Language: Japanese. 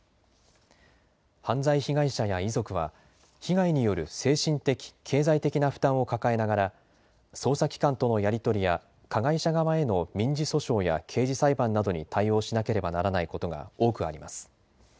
犯罪被害者や遺族は被害による精神的・経済的な負担を抱えながら、捜査機関とのやり取りや加害者側への民事訴訟や刑事裁判などに対応しなければならないことが多くあります。